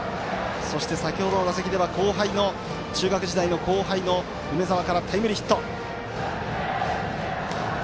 そして、先ほどの打席では中学時代の後輩の梅澤からタイムリーヒット。